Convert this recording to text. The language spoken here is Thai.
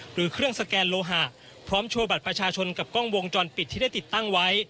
หรือเครื่องสแกนโลหะพร้อมโชว์บัตรประชาชนกับกล้องวงจรปิดที่ได้ติดตั้งไว้